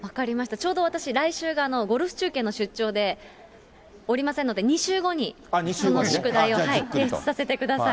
ちょうど私、来週がゴルフ中継の出張でおりませんので、２週後に、その宿題を提出させてください。